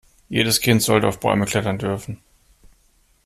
Jedes Kind sollte auf Bäume klettern dürfen.